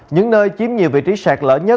những nơi chiếm nhiều vị trí sạt lỡ nhất